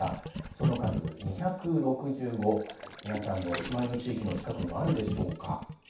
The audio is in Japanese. その数２６５皆さんのお住まいの地域の近くにもあるでしょうか。